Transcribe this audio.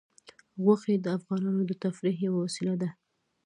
غوښې د افغانانو د تفریح یوه وسیله ده.